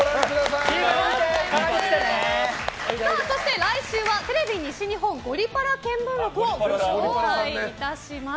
来週はテレビ西日本「ゴリパラ見聞録」をご紹介いたします。